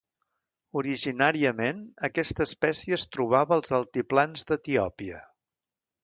Originàriament aquesta espècie es trobava als altiplans d'Etiòpia.